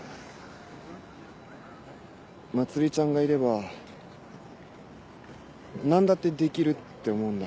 茉莉ちゃんがいれば何だってできるって思うんだ。